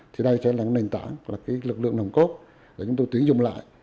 thì đây sẽ là nền tảng là lực lượng nồng cốt để chúng tôi tuyển dùng lại